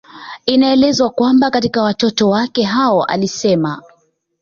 Inaelezwa kwamba katika watoto wake hao alisema